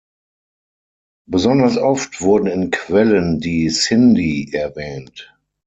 Besonders oft wurden in Quellen die Sindi erwähnt.